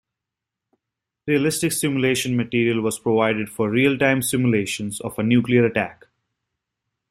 Realistic simulation material was provided for realtime simulations of a nuclear attack.